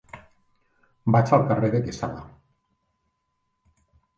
Vaig al carrer de Quesada.